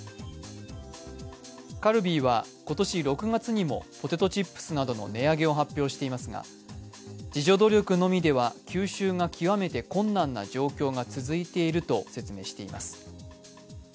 カルビーは今年６月にもポテトチップスなどの値上げを発表していますが自助努力のみでは吸収が極めて困難な状況が続いていると説明しています。